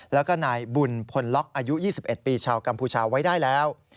แล้วก็นายบุญพลล็อกอายุ๒๑ปีชาวกัมพูชาไว้ได้แล้ว